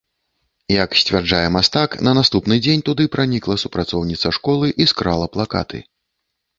Як сцвярджае мастак, на наступны дзень туды пранікла супрацоўніца школы і скрала плакаты.